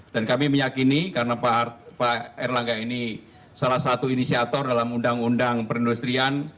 dan kami meyakini karena pak erlangga ini salah satu inisiator dalam undang undang perindustrian